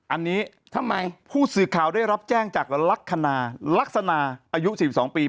อันนี้ทำไมผู้สื่อข่าวได้รับแจ้งจากลักษณะลักษณะอายุ๔๒ปี